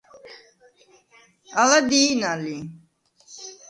ალა დი̄ნა ლი.